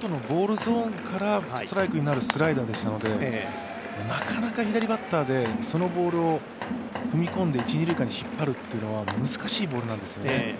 外のボールゾーンからストライクになるスライダーだったのでなかなか左バッターでそのボールを踏み込んで一・二塁間に踏み込むってのは難しい球なんですね。